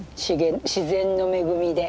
自然の恵みで。